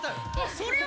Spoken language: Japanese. それは。